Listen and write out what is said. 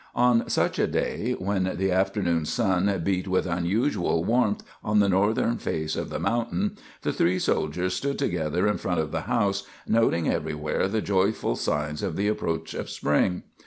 On such a day, when the afternoon sun beat with unusual warmth on the northern face of the mountain, the three soldiers stood together in front of the house, noting everywhere the joyful signs of the approach of spring.